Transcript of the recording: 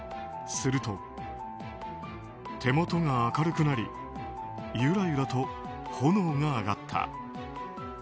すると、手元が明るくなりゆらゆらと炎が上がった。